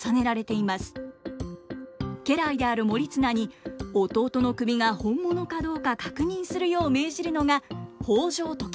家来である盛綱に弟の首が本物かどうか確認するよう命じるのが北条時政。